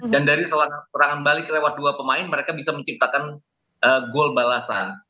dan dari serangan balik lewat dua pemain mereka bisa menciptakan gol balasan